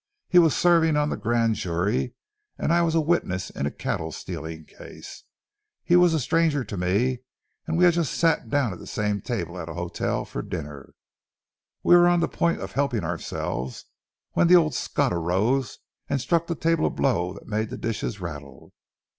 He was serving on the grand jury, and I was a witness in a cattle stealing case. He was a stranger to me, and we had just sat down at the same table at a hotel for dinner. We were on the point of helping ourselves, when the old Scot arose and struck the table a blow that made the dishes rattle.